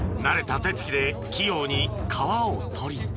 ［慣れた手つきで器用に皮を取り］